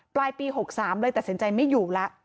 ปลายปี๖๓เลยตัดสินใจไม่อยู่แล้ว